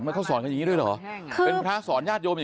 มันเขาสอนกันอย่างนี้ด้วยเหรอ